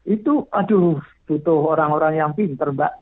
itu aduh butuh orang orang yang pinter mbak